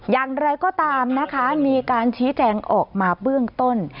อย่างไรก็ตามนะคะมีการชี้แจงออกมาเบื้องต้น